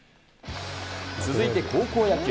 続いて高校野球。